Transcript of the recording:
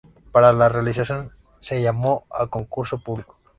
Para la realización se llamó a concurso público.